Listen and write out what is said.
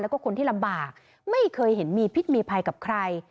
แล้วก็คนที่ลำบากไม่เคยเห็นมีพิษมีภัยกับใคร